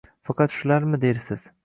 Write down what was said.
Faqat shularmi dersiz